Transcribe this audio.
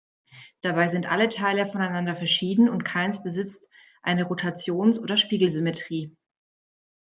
Dabei sind alle Teile voneinander verschieden und keins besitzt eine Rotations- oder Spiegelsymmetrie.